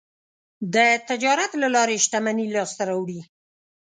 د تجارت له لارې شتمني لاسته راوړي.